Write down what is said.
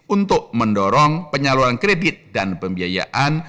untuk mendorong penyaluran kredit dan pembiayaan